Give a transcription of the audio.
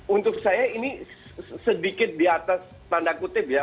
untuk saya ini sedikit di atas tanda kutip ya